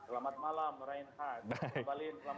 bang ali selamat malam